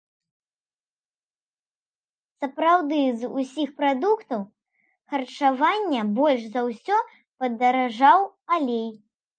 Сапраўды, з усіх прадуктаў харчавання больш за ўсё падаражаў алей!